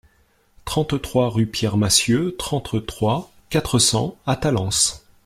trente-trois rue Pierre Massieux, trente-trois, quatre cents à Talence